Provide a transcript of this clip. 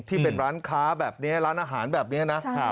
ที่เป็นร้านค้าแบบนี้ร้านอาหารแบบนี้นะ